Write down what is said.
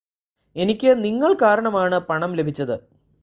എനിക്ക് നിങ്ങള് കാരണമാണ് പണം ലഭിച്ചത്